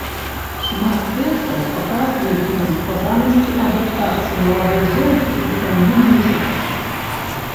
Шмат тэкстаў паказваюць нам складанасці адаптацыі маладой жонкі ў сям'і мужа.